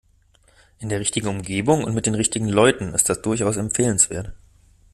In der richtigen Umgebung und mit den richtigen Leuten ist das durchaus empfehlenswert.